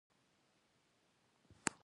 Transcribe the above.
دوی به زیاتره قبیلوي اړیکې پاللې.